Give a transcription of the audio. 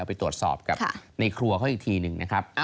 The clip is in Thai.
ไปตรวจสอบกับในครัวเขาอีกทีหนึ่งนะครับ